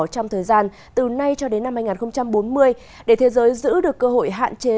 trong thời gian từ nay cho đến năm hai nghìn bốn mươi để thế giới giữ được cơ hội hạn chế